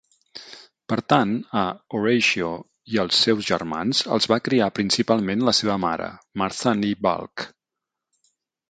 Per tant, a Horatio i als seus germans els va criar principalment la seva mare, Martha nee Balch.